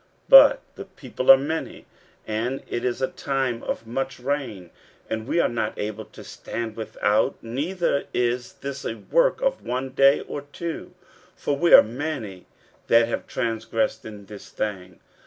15:010:013 But the people are many, and it is a time of much rain, and we are not able to stand without, neither is this a work of one day or two: for we are many that have transgressed in this thing.